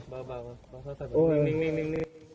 เขาไม่ได้ทำอะไร